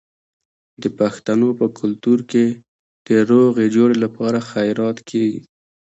د پښتنو په کلتور کې د روغې جوړې لپاره خیرات کیږي.